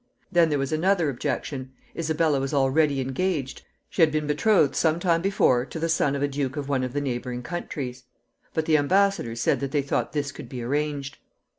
Then there was another objection. Isabella was already engaged. She had been betrothed some time before to the son of a duke of one of the neighboring countries. But the embassadors said that they thought this could be arranged.